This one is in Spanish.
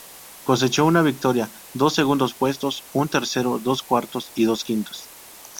Cosechó una victoria, dos segundos puestos, un tercero, dos cuartos y dos quintos.